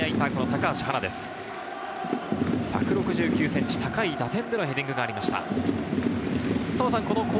１６９ｃｍ、高い打点でのヘディングでした。